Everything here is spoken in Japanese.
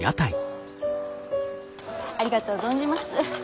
ありがとう存じます。